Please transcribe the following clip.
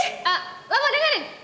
ah lo mau dengerin